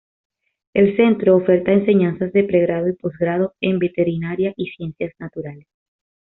El centro oferta enseñanzas de pregrado y posgrado en veterinaria y ciencias naturales.